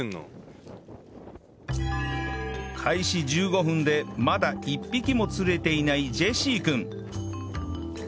開始１５分でまだ１匹も釣れていないジェシー君